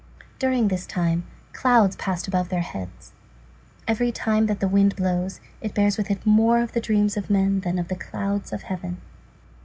During this time, clouds passed above their heads. Every time that the wind blows it bears with it more of the dreams of men than of the clouds of heaven.